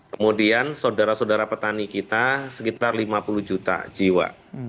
kemudian saudara saudara petani kita sekitar lima puluh juta jiwa